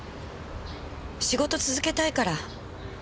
仕事続けたいから。